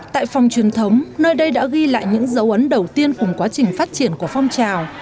tại phòng truyền thống nơi đây đã ghi lại những dấu ấn đầu tiên cùng quá trình phát triển của phong trào